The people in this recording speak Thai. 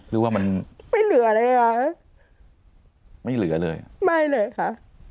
หรือว่ามันไม่เหลือเลยอ่ะไม่เหลือเลยไม่เลยค่ะ